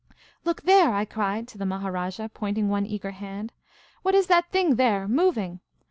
" Look there !" I cried to the Maharajah, pointing one eager hand. " What is that thing there, moving